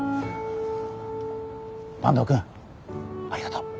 坂東くんありがとう。